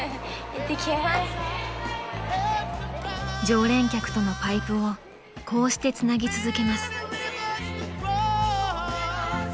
［常連客とのパイプをこうしてつなぎ続けます］